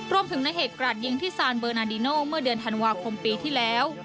รวมถึงในเหตุกราดยิงที่ซานเบอร์นาดิโนเมื่อเดือนธันวาคมปีที่แล้ว